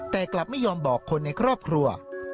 แต่กลับไม่ยอมบอกคนในครอบครัว